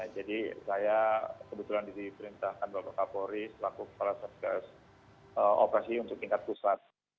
jadi saya kebetulan diperintahkan oleh pak kapolri selaku para sergas operasi untuk tingkat pusat